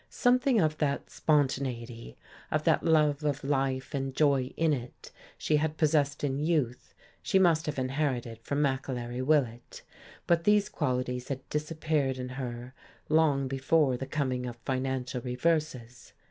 Something of that spontaneity, of that love of life and joy in it she had possessed in youth she must have inherited from McAlery Willett, but these qualities had disappeared in her long before the coming of financial reverses.